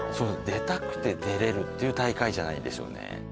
出たくて出れるっていう大会じゃないんですよね